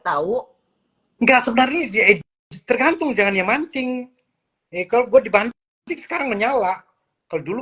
tahu enggak sebenarnya tergantung jangan ya mancing ekor gue dibantu sekarang menyala kalau